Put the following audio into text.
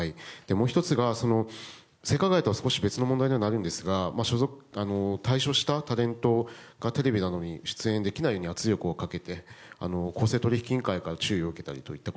もう１つが、性加害とは別の問題にはなるんですが退所したタレントがテレビなどに出演できないように圧力をかけて公正取引委員会から注意を受けたりといった